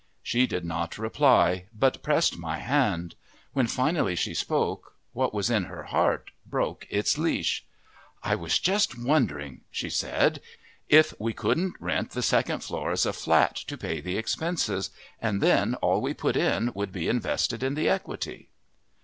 She did not reply, but pressed my hand. When finally she spoke, what was in her heart broke its leash. "I was just wondering," she said, "if we couldn't rent the second floor as a flat to pay the expenses, and then all we put in would be invested in the equity!"